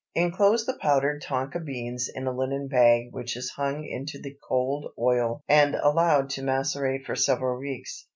Inclose the powdered tonka beans in a linen bag, which is hung into the cold oil and allowed to macerate for several weeks.